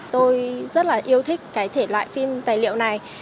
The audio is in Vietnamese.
tôi rất là yêu thích cái thể loại phim tài liệu này